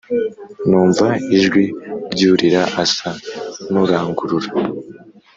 numva ijwi ry’urira asa nurangurura